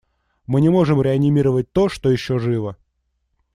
Мы не можем реанимировать то, что еще живо.